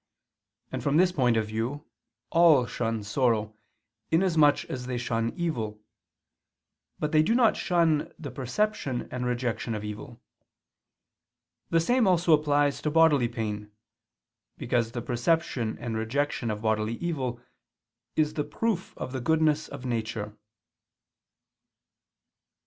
And from this point of view, all shun sorrow, inasmuch as they shun evil: but they do not shun the perception and rejection of evil. The same also applies to bodily pain: because the perception and rejection of bodily evil is the proof of the goodness of nature.